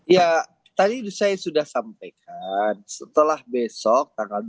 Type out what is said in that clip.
ya tadi saya sudah sampaikan setelah besok tanggal dua puluh